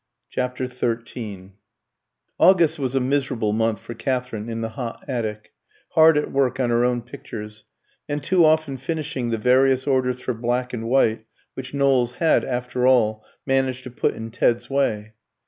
CHAPTER XIII August was a miserable month for Katherine in the hot attic, hard at work on her own pictures, and too often finishing the various orders for black and white which Knowles had after all managed to put in Ted's way.